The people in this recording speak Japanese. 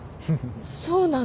そうなの？